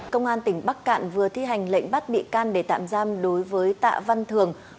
công an tỉnh bắc cạn vừa thi hành lệnh bắt bị can để tạm giam đối với tạ văn thường